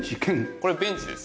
これはベンチですね。